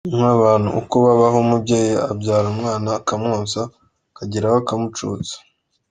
Ni nk’abantu uko babaho, umubyeyi abyara umwana akamwonsa, akagera aho akamucutsa.